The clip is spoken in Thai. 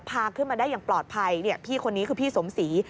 พาขึ้นมาได้อย่างปลอดภัยพี่คนนี้คือพี่สมศรี